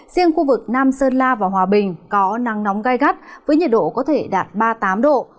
riêng khu vực nam sơn la và hòa bình có nắng nóng gai gắt với nhiệt độ có thể đạt ba mươi tám độ